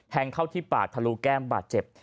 เข้าที่ปากทะลุแก้มบาดเจ็บ